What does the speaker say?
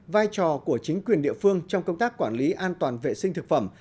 vai trò của chính quyền địa phương trong công tác quản lý an toàn vệ sinh thực phẩm